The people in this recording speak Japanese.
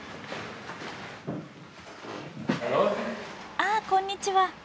ああこんにちは。